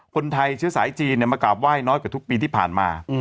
คนไทยเชื้อสายจีนมากราบไห้น้อยกว่าทุกปีที่ผ่านมา